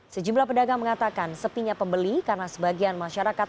sejumlah pedagang mengatakan sepinya pembeli karena sebagian masyarakat